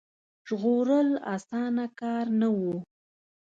ژغورل اسانه کار نه وو.